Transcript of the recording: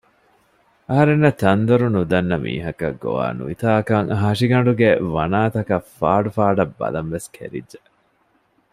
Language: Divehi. އަހަރެންނަށް ތަންދޮރު ނުދަންނަ މީހަކަށް ގޮވާ ނުވިތާކަށް ހަށިގަނޑުގެ ވަނާތަކަށް ފާޑު ފާޑަށް ބަލަންވެސް ކެރިއްޖެ